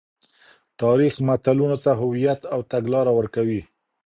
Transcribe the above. تاریخ ملتونو ته هویت او تګلاره ورکوي.